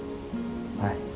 はい。